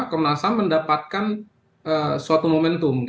komnas ham mendapatkan suatu momentum